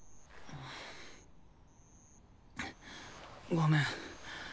ごめん。